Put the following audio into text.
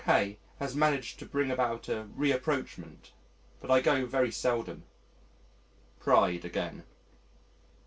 K has managed to bring about a rapprochement but I go very seldom. Pride again.